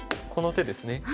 この手ですね。